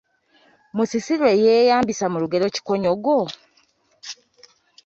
Musisi lwe yeeyambisa mu lugero “Kikonyogo”?